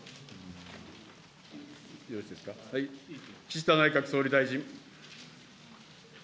岸田内閣総理大臣。